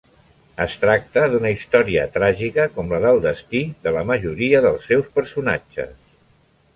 Es tracta d'una història tràgica com la del destí de la majoria dels seus personatges.